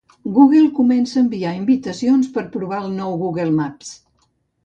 Google comença a enviar invitacions per provar el nou Google Maps.